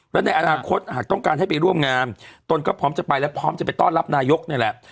และในอนาคตหากต้องการให้ไปร่วมงานตนก็พร้อมจะไปและพร้อมจะไปต้อนรับนายกนี่แหละ